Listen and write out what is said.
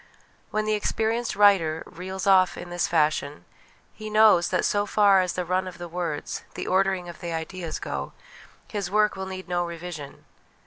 When the experienced writer ' reels off' in this fashion, he knows that so far as the run of the words, the ordering of the ideas, go, his work will need no revision.